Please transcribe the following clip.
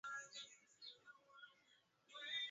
matembele yakipikwa na kukaangwa na kukoroga huiva haraka